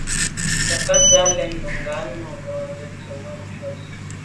Mə̀kát sə̌ lá’ nùngá nǔ nə̀ lódə tsə̀mô shûn tsə́.